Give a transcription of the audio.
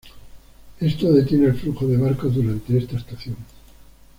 Esto detiene el flujo de barcos durante esta estación.